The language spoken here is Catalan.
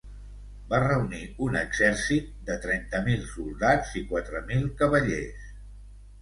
Va reunir un exèrcit de trenta mil soldats i quatre mil cavallers.